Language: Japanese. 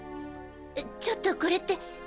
ちょっとこれって。